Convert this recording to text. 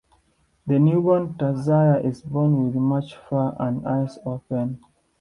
The newborn tarsier is born with much fur and eyes open.